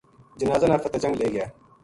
جنازہ نا فتح جنگ لے گیا